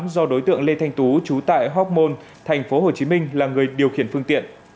do đối tượng lê thanh tú trú tại hoc mon thành phố hồ chí minh là người điều khiển phương tiện